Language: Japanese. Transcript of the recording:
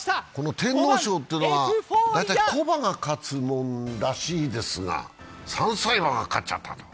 天皇賞というのは大体、古馬が勝つものらしいですが、３歳馬が勝ったと。